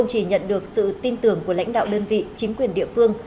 vì được sự tin tưởng của lãnh đạo đơn vị chính quyền địa phương